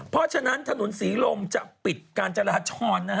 เพราะฉะนั้นถนนศรีลมจะปิดการจราจร